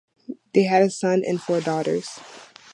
They had a son and four daughters.